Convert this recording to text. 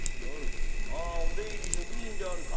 お出入り職人であるか？